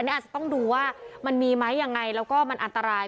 อันนี้อาจจะต้องดูว่ามันมีไหมยังไงแล้วก็มันอันตราย